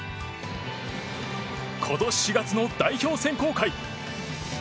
今年４月の代表選考会。